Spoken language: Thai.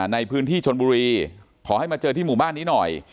ในพื้นที่ชนบุรีขอให้มาเจอที่หมู่บ้านนี้หน่อย